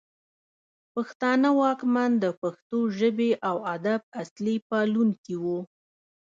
پښتانه واکمن د پښتو ژبې او ادب اصلي پالونکي وو